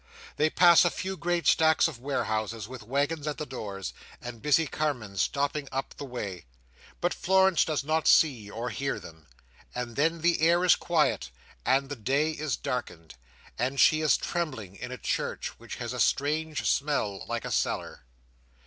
They pass a few great stacks of warehouses, with waggons at the doors, and busy carmen stopping up the way—but Florence does not see or hear them—and then the air is quiet, and the day is darkened, and she is trembling in a church which has a strange smell like a cellar.